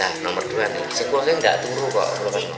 nah nomor dua nih sempat ini tidak turun kok